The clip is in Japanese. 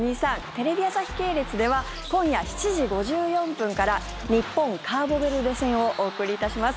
テレビ朝日系列では今夜７時５４分から日本・カーボベルデ戦をお送りいたします。